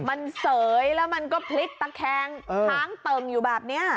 มันเสยแล้วมันก็พลิกตะแคงค้างเติ่งอยู่แบบนี้